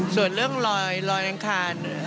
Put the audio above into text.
ส่วนเรื่องลอยอังคาร